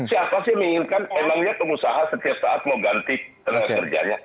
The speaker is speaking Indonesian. siapa sih yang menginginkan emangnya pengusaha setiap saat mau ganti kerjanya